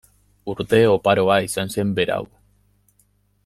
Urte oparoa izan zen berau.